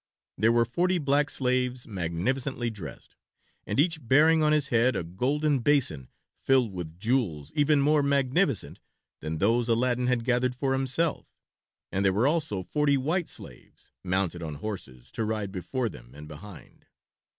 There were forty black slaves, magnificently dressed, and each bearing on his head a golden basin filled with jewels even more magnificent than those Aladdin had gathered for himself, and there were also forty white slaves, mounted on horses, to ride before them and behind.